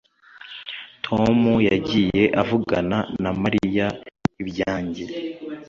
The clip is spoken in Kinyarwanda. Tom yagiye avugana na Mariya ibyanjye